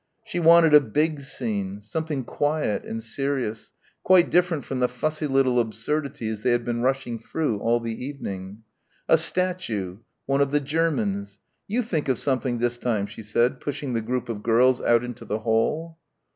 She wanted a big scene, something quiet and serious quite different from the fussy little absurdities they had been rushing through all the evening. A statue ... one of the Germans. "You think of something this time," she said, pushing the group of girls out into the hall.